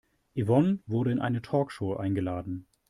Yvonne wurde in eine Talkshow eingeladen.